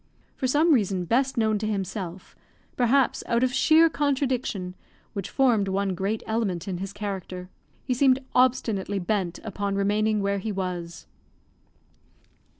For some reason best known to himself, perhaps out of sheer contradiction, which formed one great element in his character, he seemed obstinately bent upon remaining where he was.